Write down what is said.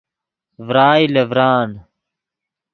ڤرائے لے ڤران